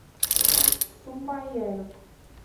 ثُمَّ عِيَالُك